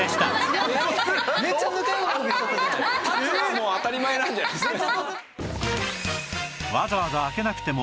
もう当たり前なんじゃないですか？